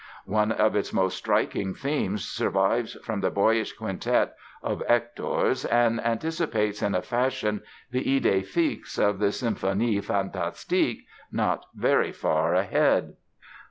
One of its most striking themes survives from the boyish quintet of Hector's and anticipates in a fashion the "idée fixe" of the "Symphonie Fantastique", not very far ahead.